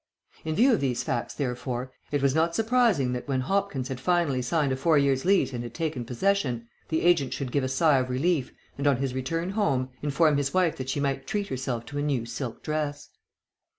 In view of these facts, therefore, it was not surprising that when Hopkins had finally signed a four years' lease and had taken possession, the agent should give a sigh of relief, and, on his return home, inform his wife that she might treat herself to a new silk dress.